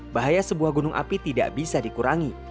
bahaya sebuah gunung api tidak bisa dikurangi